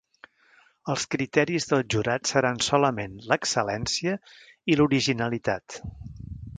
Els criteris del jurat seran solament l'excel·lència i l'originalitat.